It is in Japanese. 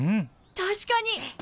確かに！